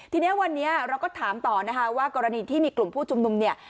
ทีนี้วันนี้เราก็ถามต่อนะคะว่ากรณีที่มีกลุ่มผู้ชุมนุมเนี่ย